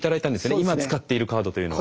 今使っているカードというのを。